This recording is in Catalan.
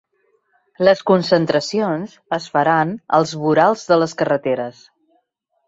Les concentracions es faran als vorals de les carreteres.